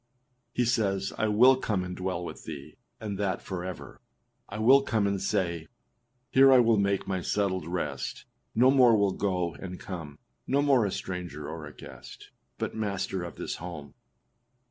He says, âI will come and dwell with thee, and that forever. I will come and say, Here I will make my settled rest, No more will go and come; No more a stranger or a guest, But master of this home.